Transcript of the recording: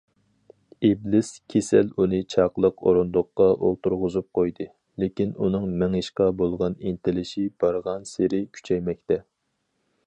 ئىبلىس كېسەل ئۇنى چاقلىق ئورۇندۇقتا ئولتۇرغۇزۇپ قويدى، لېكىن ئۇنىڭ مېڭىشقا بولغان ئىنتىلىشى بارغانسېرى كۈچەيمەكتە.